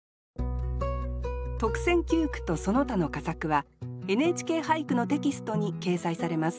特選九句とその他の佳作は「ＮＨＫ俳句」のテキストに掲載されます。